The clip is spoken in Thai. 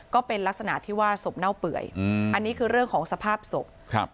ก็เป็นลักษณะที่ว่าศพเน่าเปื่อยอืมอันนี้คือเรื่องของสภาพศพครับ